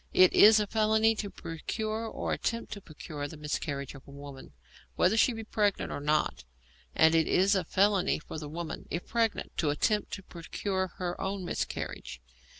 It is a felony to procure or attempt to procure the miscarriage of a woman, whether she be pregnant or not, and it is a felony for the woman, if pregnant, to attempt to procure her own miscarriage.